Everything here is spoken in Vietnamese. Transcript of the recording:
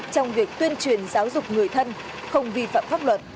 trong việc tuyên truyền giáo dục người thân không vi phạm pháp luật